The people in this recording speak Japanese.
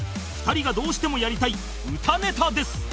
２人がどうしてもやりたい歌ネタです